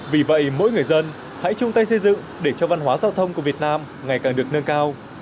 vì vậy mỗi người dân hãy chung tay xây dựng để cho văn hóa giao thông của việt nam ngày càng được nâng cao